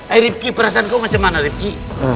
eh ripki perasaan kau bagaimana ripki